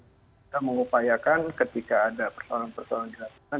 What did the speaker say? kita mengupayakan ketika ada persoalan persoalan dilakukan